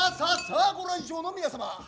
さあご来場の皆様。